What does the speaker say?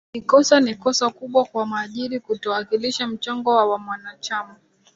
ni kosa ni kosa kubwa kwa mwajiri kutowasilisha mchango wa mwanachama